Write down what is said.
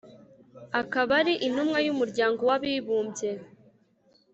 akaba ari intumwa yumuryango wabibumbye